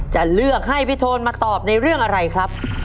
จะเลือกให้พี่โทนมาตอบในเรื่องอะไรครับ